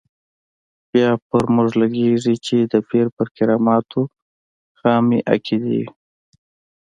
بیا پر موږ لګېږي چې د پیر پر کراماتو خامې عقیدې یو.